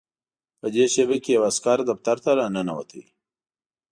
په دې شېبه کې یو عسکر دفتر ته راننوت